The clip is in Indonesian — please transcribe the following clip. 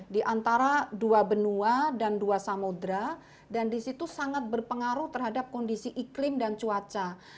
di antara dua benua dan dua samudera dan di situ sangat berpengaruh terhadap kondisi iklim dan cuaca